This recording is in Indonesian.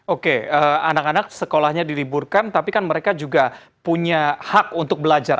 oke anak anak sekolahnya diliburkan tapi kan mereka juga punya hak untuk belajar